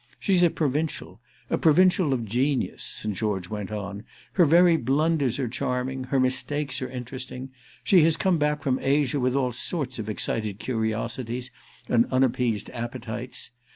She's a provincial—a provincial of genius," St. George went on; "her very blunders are charming, her mistakes are interesting. She has come back from Asia with all sorts of excited curiosities and unappeased appetities.